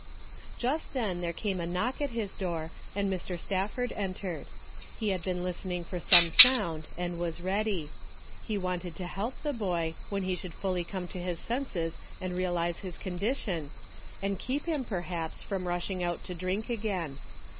Just then there came a knock at his door and Mr. Stafford entered. He had been lis tening for some sound, and was ready. He wanted to help the boy when he should fully come to his senses and realize his condition, and keep him, perhaps, from rushing out to drink again.